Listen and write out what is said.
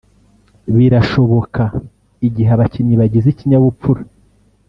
birashoboka igihe abakinnyi bagize ikinyabupfura